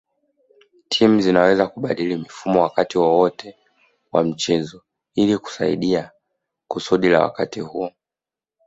Timu zinaweza kubadili mifumo wakati wowote wa mchezo ilikusaidia kusudi la wakati huo